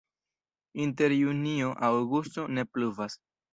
Inter junio-aŭgusto ne pluvas.